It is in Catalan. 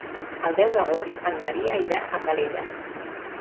El deu d'agost en Maria irà a Calella.